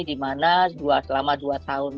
di mana selama dua tahun